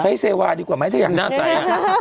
เซวาดีกว่าไหมถ้าอยากหน้าใส